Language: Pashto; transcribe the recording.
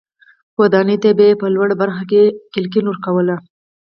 ودانیو ته به یې په لوړه برخه کې کړکۍ ورکولې.